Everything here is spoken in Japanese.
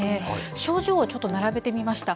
症状をちょっと並べてみました。